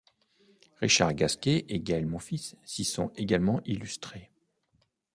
Richard Gasquet et Gaël Monfils s'y sont également illustrés.